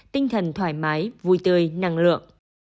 tinh thần thoải mái vui tươi năng lượng